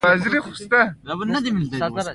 کراچۍ ته په پښتو کې لاسګاډی وايي.